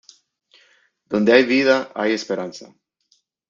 Donde hay vida hay esperanza.